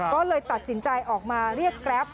ก็เลยตัดสินใจออกมาเรียกแกรป